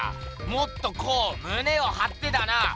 もっとこうむねをはってだな。